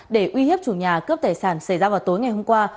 để uy hiếp chủ nhà cướp tài sản xảy ra vào tối ngày hôm qua